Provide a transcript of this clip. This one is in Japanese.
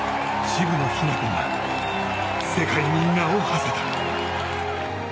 渋野日向子が世界に名をはせた。